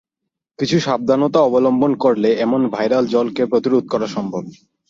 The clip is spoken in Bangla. তবে কিছু সাবধানতা অবলম্বন করলে এমন ভাইরাল জ্বরকে প্রতিরোধ করা সম্ভব।